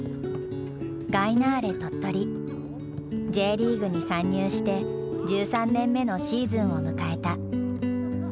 Ｊリーグに参入して１３年目のシーズンを迎えた。